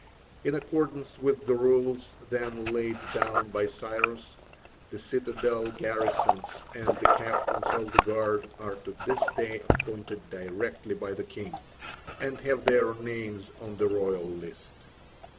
In accordance with the rules then laid down by Cyrus, the citadel garrisons and the captains of the guard are to this day appointed directly by the king, and have their names on the royal list.